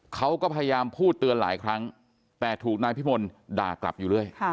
เขาก็พยายามพูดเตือนหลายครั้งแต่ถูกนายพิมลด่ากลับอยู่เรื่อย